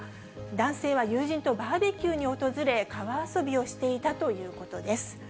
男性は友人とバーベキューに訪れ、川遊びをしていたということです。